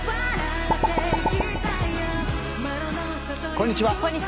こんにちは。